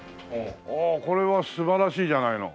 これは素晴らしいじゃないの。